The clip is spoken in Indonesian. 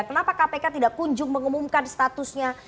kenapa kpk tidak kunjung mengumumkan statusnya